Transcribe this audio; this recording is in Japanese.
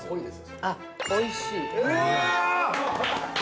◆あっ、おいしい。